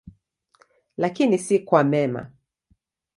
Lakini si kwa mema.